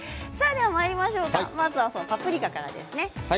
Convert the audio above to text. ではパプリカからですね。